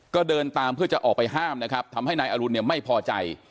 ก็เดินตามเพื่อจะออกไปห้ามนะครับทำให้นายอรุณเนี่ยไม่พอใจ